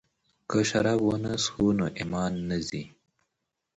که شراب ونه څښو نو ایمان نه ځي.